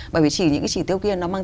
bởi vì chỉ những cái chỉ tiêu kia nó mang